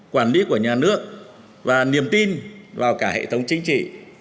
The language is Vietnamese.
quản lý của nhà nước và niềm tin vào cả hệ thống chính trị